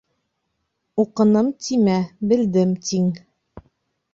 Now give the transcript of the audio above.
«Уҡыным» тимә, «белдем» тиң.